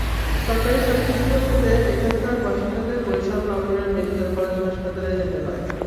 সরকারি স্বাস্থ্যসেবা পেতে এখানকার বাসিন্দাদের বরিশাল নগরের মেডিকেল কলেজ হাসপাতালে যেতে হয়।